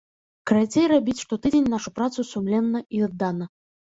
Карацей, рабіць штотыдзень нашу працу сумленна і аддана.